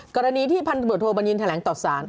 กรณีที่พันตำรวจโทรบัญญินแถลงตอบสาร